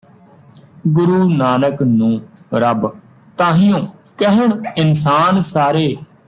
ਗੁਰੂ ਨਾਨਕ ਨੂੰ ਰੱਬ ਤਾਂਹੀਓ ਕਹਿਣ ਇੰਨਸਾਨ ਸਾਰੇ